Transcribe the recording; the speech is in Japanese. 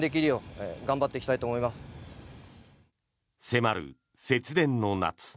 迫る、節電の夏。